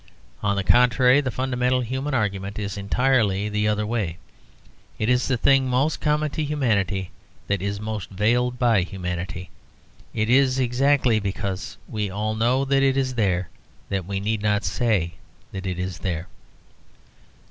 On the contrary, the fundamental human argument is entirely the other way. It is the thing most common to humanity that is most veiled by humanity. It is exactly because we all know that it is there that we need not say that it is there.